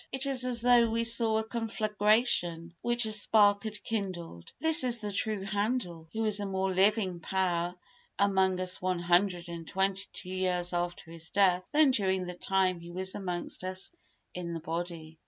It is as though we saw a conflagration which a spark had kindled. This is the true Handel, who is a more living power among us one hundred and twenty two years after his death than during the time he was amongst us in the body.